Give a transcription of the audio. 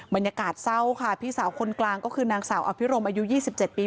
บรรยากาศเศร้าค่ะพี่สาวคนกลางก็คือนางสาวอภิรมอายุ๒๗ปี